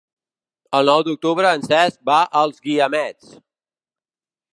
El nou d'octubre en Cesc va als Guiamets.